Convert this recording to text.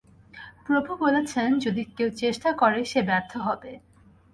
প্রভু বলেছেন, যদি কেউ চেষ্টা করে, সে ব্যর্থ হবে।